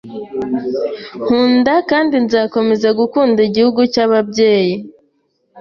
Nkunda, kandi nzakomeza gukunda, gihugu cyababyeyi